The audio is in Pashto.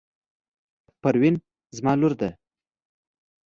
پروین زما لور ده.